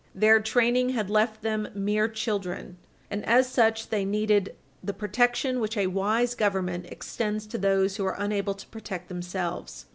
Their training had left them mere children, and, as such, they needed the protection which a wise government extend to those who are unable to protect themselves.